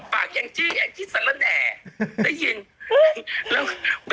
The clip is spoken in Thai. พี่แสลแหน่เด้ยหยิน